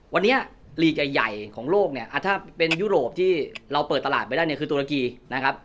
วันนี้ลีกใหญ่ของโลกเนี่ยถ้าเป็นยุโรปที่เราเปิดตลาดไม่ได้เนี่ยคือตุรกีนะครับ